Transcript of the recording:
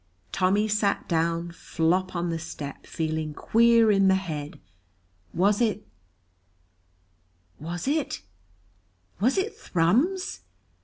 Tommy sat down flop on the step, feeling queer in the head. Was it was it was it Thrums?